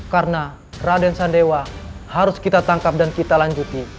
karena raden sandewa harus kita tangkap dan kita lanjuti